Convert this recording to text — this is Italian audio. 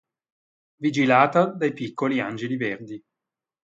Vigilata dai piccoli angeli verdi.